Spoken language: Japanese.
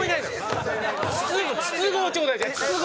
筒香ちょうだいじゃあ筒香！